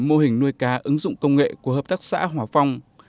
mô hình nuôi cá ứng dụng công nghệ của hợp tác xã hòa phong